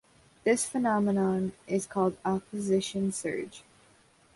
This phenomenon is called opposition surge.